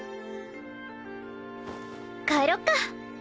帰ろっか！